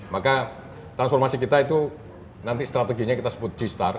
maka transformasi kita itu nanti strateginya kita sebut g star